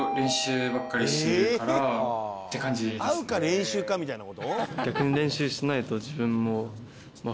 「会うか練習かみたいな事？」